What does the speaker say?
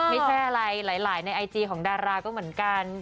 ไม่ใช่อะไรหลายในไอจีของดาราก็เหมือนกัน